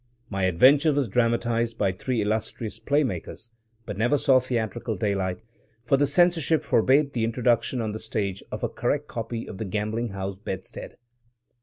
My adventure was dramatized by three illustrious play makers, but never saw theatrical daylight; for the censorship forbade the introduction on the stage of a correct copy of the gambling house bedstead.